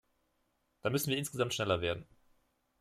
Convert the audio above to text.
Da müssen wir insgesamt schneller werden.